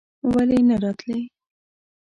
ولې نه راتلې?